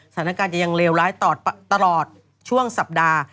สถานการณ์จะยังเลวร้ายตลอดช่วงสัปดาห์